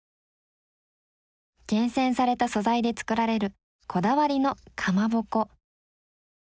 厳選された素材で作られるこだわりのかまぼこ。